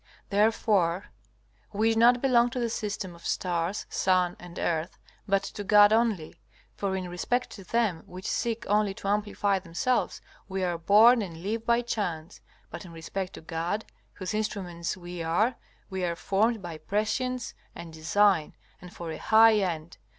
Therefore we do not belong to the system of stars, sun, and earth, but to God only; for in respect to them which seek only to amplify themselves, we are born and live by chance; but in respect to God, whose instruments we are, we are formed by prescience and design, and for a high end.